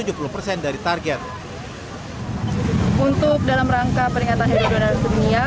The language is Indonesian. untuk dalam rangka peringatan hari donor darah sudunia